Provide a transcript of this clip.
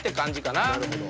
なるほど。